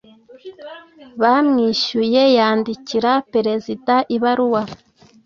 Bamwishyuye yandikira perezida ibaruwa.